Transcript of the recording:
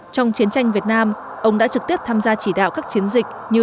trong chiến tranh việt nam ông đã trực tiếp tham gia chỉ đạo các chiến dịch như